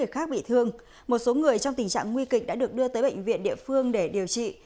khác bị thương một số người trong tình trạng nguy kịch đã được đưa tới bệnh viện địa phương để điều trị